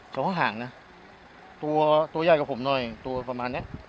ส่วนตัวใหญ่กว่าผมดูประมาณนี้